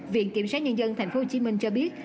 viện kiểm sát nhân dân thành phố hồ chí minh cho biết